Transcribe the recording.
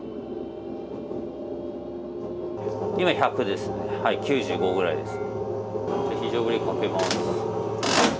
今、１００ですね、９５くらいです。